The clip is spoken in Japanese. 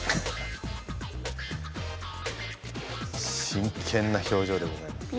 真剣な表情でございます。